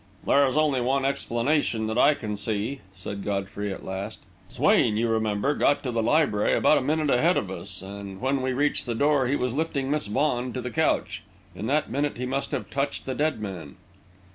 "There is only one explanation that I can see," said Godfrey, at last. "Swain, you remember, got to the library about a minute ahead of us, and when we reached the door he was lifting Miss Vaughan to the couch. In that minute, he must have touched the dead man."